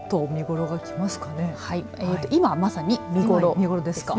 ええ、今まさに見頃ですか。